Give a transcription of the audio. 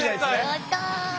やった。